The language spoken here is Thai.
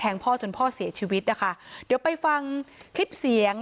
แต่ก็เหมือนกับว่าจะไปดูของเพื่อนแล้วก็ค่อยทำส่งครูลักษณะประมาณนี้นะคะ